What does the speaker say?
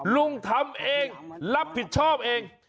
ลุงทำเองรับผิดชอบเอง